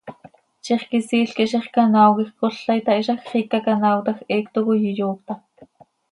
Zixquisiil quih ziix canaao quij cola itahizaj, xiica canaaotaj heecto coi iyoocta.